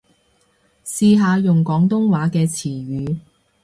試下用廣東話嘅詞語